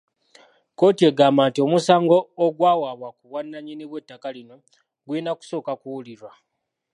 Kkooti egamba nti omusango ogwawaabwa ku bwannannyini bw'ettaka lino gulina kusooka kuwulirwa.